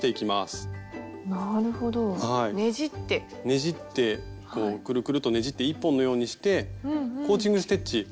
ねじってこうくるくるとねじって１本のようにしてコーチング・ステッチ。